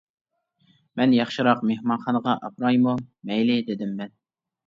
— مەن ياخشىراق مېھمانخانىغا ئاپىرايمۇ؟ — مەيلى، — دېدىم مەن.